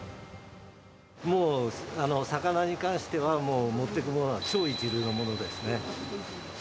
もう、魚に関しては、持っていくものは超一流のものですね。